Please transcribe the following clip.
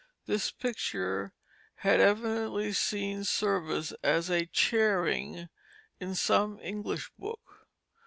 This picture had evidently seen service as "a chairing" in some English book.